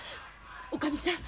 おかみさん